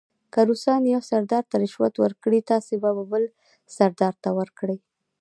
که روسان یو سردار ته رشوت ورکړي تاسې به یې بل سردار ته ورکړئ.